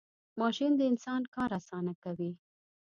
ماشین د انسان کار آسانه کوي .